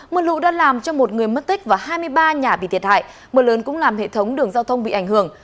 mưa lũ đã làm cho một người mất tích và hai mươi ba nhà bị thiệt hại mưa lớn cũng làm hệ thống đường giao thông bị ảnh hưởng